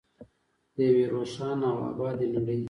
د یوې روښانه او ابادې نړۍ.